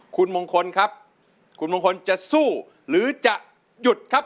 คุณมงคลครับคุณมงคลจะสู้หรือจะหยุดครับ